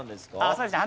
そうですね。